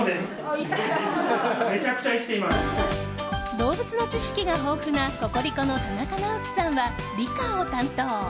動物の知識が豊富なココリコの田中直樹さんは理科を担当。